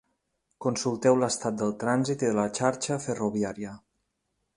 Consulteu l’estat del trànsit i de la xarxa ferroviària.